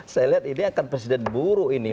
saya lihat ini akan presiden buruk ini